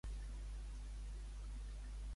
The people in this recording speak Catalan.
A banda, nega que hi hagi presos polítics ni exiliats.